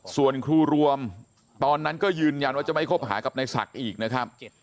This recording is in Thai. ส่วนครูรวมตอนนั้นก็ยืนยันว่าจะไม่คบหากับนายศักดิ์อีกนะครับ